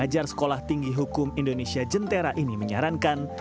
pengajar sekolah tinggi hukum indonesia jentera ini menyarankan